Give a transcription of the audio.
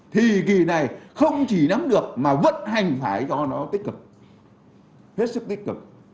thì kỳ này không chỉ nắm được mà vận hành phải cho nó tích cực hết sức tích cực